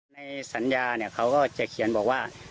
ในสัญญาเนี่ยเขาก็จะเขียนบอกว่า